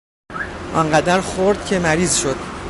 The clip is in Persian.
آن قدر خورد که مریض شد.